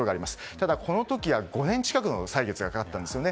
ただ、この時は５年近くの歳月がかかったんです。